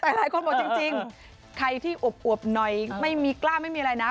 แต่หลายคนบอกจริงใครที่อวบหน่อยไม่มีกล้าไม่มีอะไรนะ